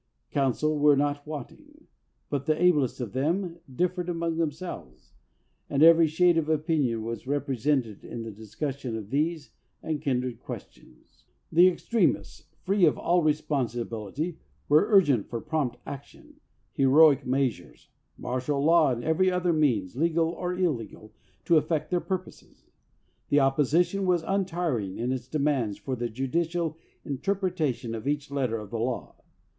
Counsel were not wanting, but the ablest of them differed among themselves, and every shade of opinion was represented in the discussion of these and kindred questions. The extremists, free of all responsibility, were urgent for prompt action, heroic measures, martial law, and every other means, legal or illegal, to effect their purposes; the opposition was untiring in its demands for the judicial interpretation of each letter of the law.